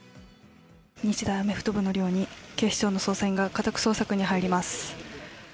日大アメフト部の寮に警視庁の捜査員が家宅捜索に入ります。